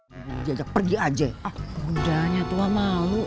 waalaikumsalam warahmatullahi wabarakatuh